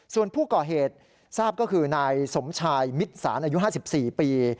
ส่วนผู้ก่อเหตุทราบก็คือนายสมชายมิตรสารอายุ๕๔ปี